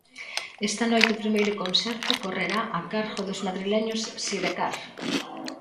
Esta noite o primeiro concerto correrá a cargo dos madrileños Sidecars.